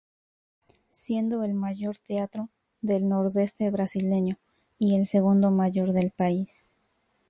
Siendo el mayor teatro del nordeste brasileño, y el segundo mayor del país.